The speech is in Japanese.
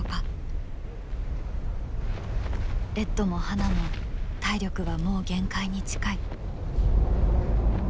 レッドもハナも体力はもう限界に近い。